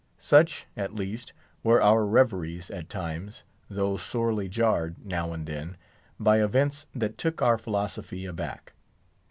Such, at least, were our reveries at times, though sorely jarred, now and then, by events that took our philosophy aback.